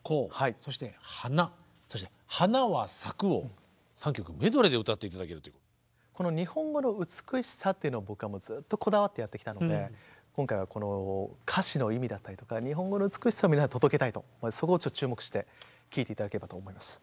今日はこの日本語の美しさっていうのを僕はずっとこだわってやってきたので今回は歌詞の意味だったりとか日本語の美しさを皆さんに届けたいとそこを注目して聴いて頂ければと思います。